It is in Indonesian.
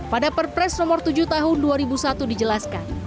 pada perpres nomor tujuh tahun dua ribu satu dijelaskan